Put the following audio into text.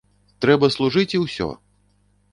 Трэба служыць і ўсё!